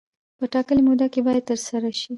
دا په ټاکلې موده کې باید ترسره شي.